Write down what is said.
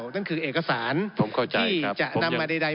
นั่นคือเอกสารที่จะนำมาใด